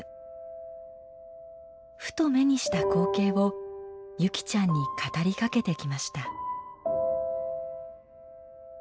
ふと目にした光景を優希ちゃんに語りかけてきました。